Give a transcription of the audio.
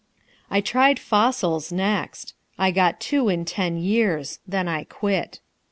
I tried fossils next. I got two in ten years. Then I quit.